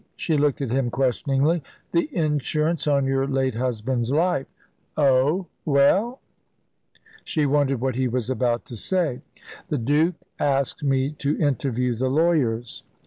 She looked at him questioningly. "The insurance on your late husband's life." "Oh! Well?" She wondered what he was about to say. "The Duke asked me to interview the lawyers."